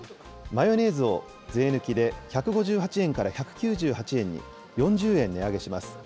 マヨネーズを税抜きで１５８円から１９８円に、４０円値上げします。